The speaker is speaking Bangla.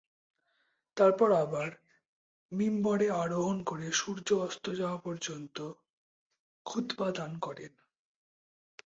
তারপর আবার মিম্বরে আরোহণ করে সূর্য অস্ত যাওয়া পর্যন্ত খুতবা দান করেন।